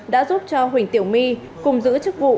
đã giúp cho huỳnh tiểu my cùng giữ chức vụ